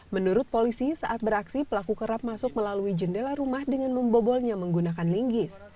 menurut polisi saat beraksi pelaku kerap masuk melalui jendela rumah dengan membobolnya menggunakan linggis